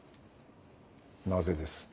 なぜです？